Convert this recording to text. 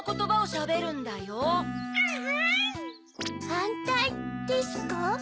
はんたいですか？